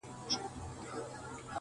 تر قیامته به یې حرف ویلی نه وای--!